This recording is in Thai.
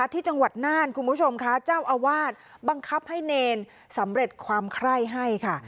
ที่จังหวัดน่านคุณผู้ชมค่ะเจ้าอาวาสบังคับให้เนรสำเร็จความไคร้ให้ค่ะ